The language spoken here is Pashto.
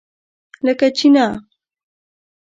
لکه چینۀ!